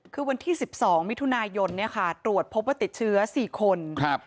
คือวันที่๑๒มิถุนายนตรวจพบว่าติดเชื้อ๔คน